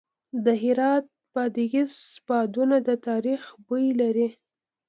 د هرات بادغیس بادونه د تاریخ بوی لري.